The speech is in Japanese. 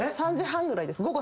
３時半ぐらいです。